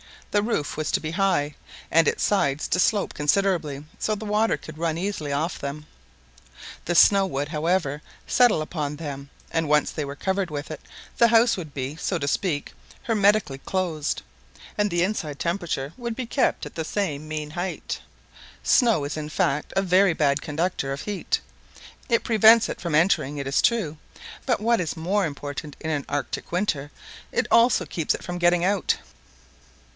The roof was to be high, and its sides to slope considerably, so that water could easily run off them. The snow would, however, settle upon them; and when once they were covered with it, the house would be, so to speak, hermetically closed, and the inside temperature would be kept at the same mean height. Snow is, in fact, a very bad conductor of beat: it prevents it from entering, it is true; but, what is more important in an Arctic winter, it also keeps it from getting out.